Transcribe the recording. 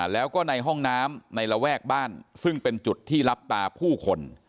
แล้วก็ในห้องน้ำในระแวกบ้านซึ่งเป็นจุดที่รับตาผู้คน